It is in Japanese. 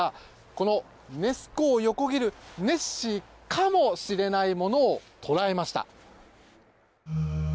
このネス湖を横切るネッシーかもしれないものを捉えました。